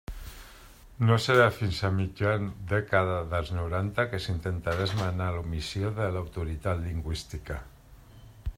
No serà fins a mitjan dècada dels noranta que s'intentarà esmenar l'omissió de l'autoritat lingüística.